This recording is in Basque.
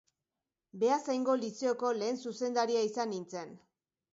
Beasaingo Lizeoko lehen zuzendaria izan nintzen.